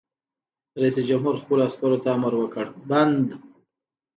رئیس جمهور خپلو عسکرو ته امر وکړ؛ بند!